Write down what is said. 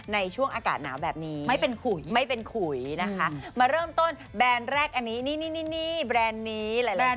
ในช่วงอากาศหนาวแบบนี้ไม่เป็นขุยนะคะมาเริ่มต้นแบรนด์แรกอันนี้นี่แบรนด์นี้